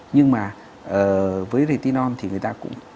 nhưng mà với retinol thì người ta cũng